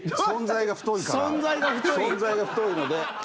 存在が太いので。